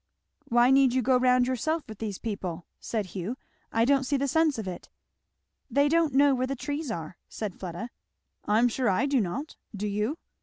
"Why need you go round yourself with these people?" said Hugh. "I don't see the sense of it." "They don't know where the trees are," said Fleda. "I am sure I do not. Do you?"